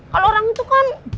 kalau orang itu kan